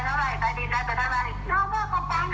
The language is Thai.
ทั้งที่เพื่อนมี๓ชุดเราก็เลือกมาชุดเดียว